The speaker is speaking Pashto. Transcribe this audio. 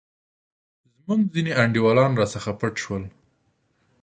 زموږ ځیني انډیوالان راڅخه پټ شول.